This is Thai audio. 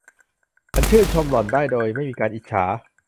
ฉันชื่นชมหล่อนได้โดยไม่มีการอิจฉา